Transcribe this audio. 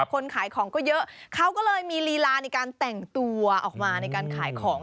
คนขายของก็เยอะเขาก็เลยมีลีลาในการแต่งตัวออกมาในการขายของ